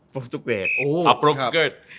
ปุรุกเกรด